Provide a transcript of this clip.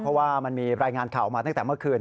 เพราะว่ามันมีรายงานข่าวมาตั้งแต่เมื่อคืน